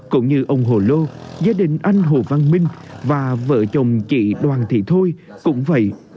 cũng như ông hồ lô gia đình anh hồ văn minh và vợ chồng chị đoàn thị thôi cũng vậy